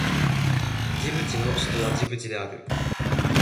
ジブチの首都はジブチである